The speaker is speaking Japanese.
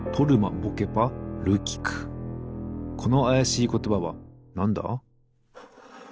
このあやしいことばはなんだ？